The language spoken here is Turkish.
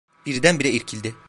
Birdenbire irkildi.